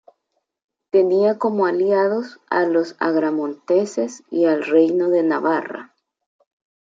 Tenían como aliados a los agramonteses y al reino de Navarra.